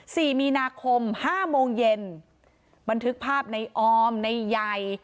สี่มีนาคมห้าโมงเย็นบันทึกภาพในออมในใย